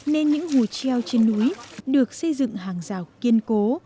nên những hồ treo trên núi được xây dựng hàng rào kiên cố